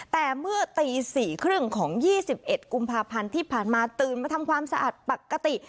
แต่เมื่อตีสี่ครึ่งของยี่สิบเอ็ดกุมภาพันธ์ที่ผ่านมาตื่นมาทำความสะอาดปกติ